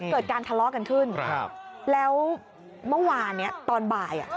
เกิดการทะเลาะกันขึ้นครับแล้วเมื่อวานเนี้ยตอนบ่าย